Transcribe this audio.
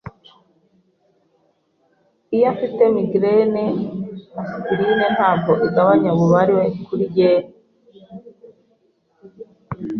Iyo mfite migraine, aspirine ntabwo igabanya ububabare kuri njye.